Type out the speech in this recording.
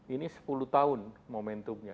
ini sepuluh tahun momentumnya